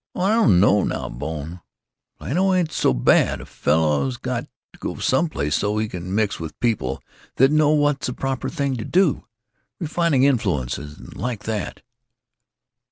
"Oh, I don't know, now, Bone. Plato ain't so bad. A fellow's got to go some place so he can mix with people that know what's the proper thing to do. Refining influences and like that."